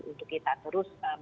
untuk kita terus mencapai endemi